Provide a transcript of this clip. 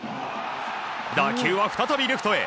打球は再びレフトへ。